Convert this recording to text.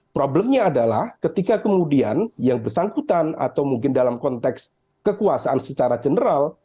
problemnya adalah ketika kemudian yang bersangkutan atau mungkin dalam konteks kekuasaan secara general